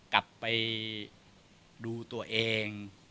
กลับไปดูตัวเอง